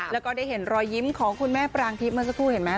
แล้วก็ได้เห็นรอยยิ้มของคุณแม่ปรางทิพย์เมื่อสักครู่เห็นไหม